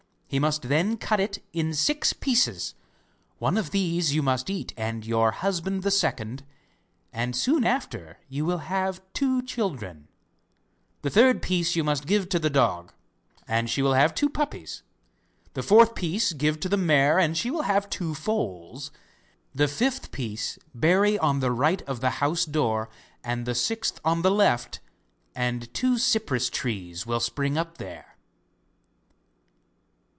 He must then cut it in six pieces one of these you must eat, and your husband the second, and soon after you will have two children. The third piece you must give to the dog, and she will have two puppies. The fourth piece give to the mare, and she will have two foals. The fifth piece bury on the right of the house door, and the sixth on the left, and two cypress trees will spring up there.